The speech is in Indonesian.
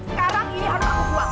sekarang ini harus aku buang